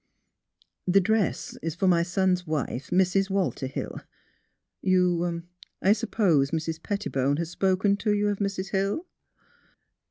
The dress is for my son's wife, Mrs. Walter Hill. You — I suppose Mrs. Pettibone has spoken toyouof— Mrs. Hill?